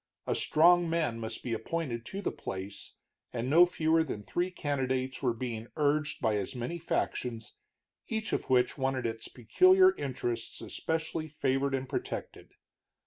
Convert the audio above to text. A strong man must be appointed to the place, and no fewer than three candidates were being urged by as many factions, each of which wanted its peculiar interests especially favored and protected.